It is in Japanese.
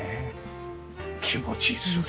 気持ちいいですよね。